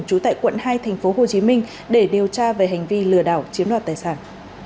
trú tại quận hai tp hồ chí minh để điều tra về hành vi lừa đảo chiếm đoạt tài sản